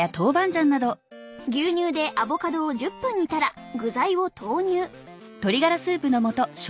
牛乳でアボカドを１０分煮たら具材を投入。